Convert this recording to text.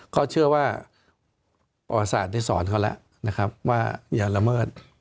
ก็เชื่อว่าประวัติศาสตร์ได้สอนเขาแล้วนะครับว่าอย่าละเมิด